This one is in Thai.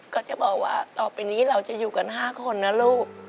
ก็จะบอกว่าต่อไปนี้เราจะอยู่กัน๕คนนะลูก